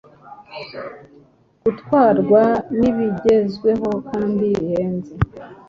gutwarwa n’ibigezweho kandi bihenze,